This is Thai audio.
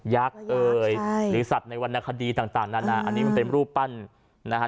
ักษ์เอ่ยหรือสัตว์ในวรรณคดีต่างนานาอันนี้มันเป็นรูปปั้นนะฮะ